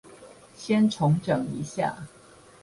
先重整一下